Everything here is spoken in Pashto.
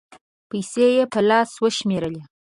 پېسې یې په لاس و شمېرلې